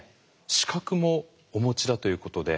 資格もお持ちだということで。